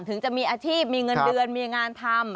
ถึงจะมีอาชีพมีเงินเดือนมีงานทำ